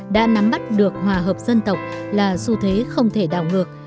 đã nắm bắt được hòa hợp dân tộc là xu thế không thể đảo ngược